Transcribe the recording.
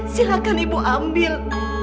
silahkan ibu ambil